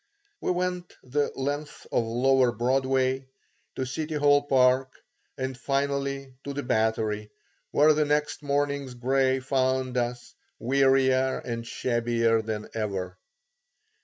We went the length of lower Broadway, to City Hall park, and finally to the Battery where the next morning's gray found us, wearier and shabbier than ever.